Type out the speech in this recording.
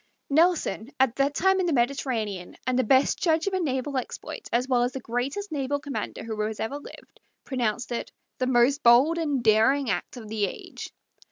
Nelson, at that time in the Mediterranean, and the best judge of a naval exploit as well as the greatest naval commander who has ever lived, pronounced it "the most bold and daring act of the age."